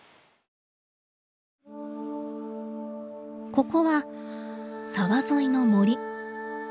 ここは沢沿いの森。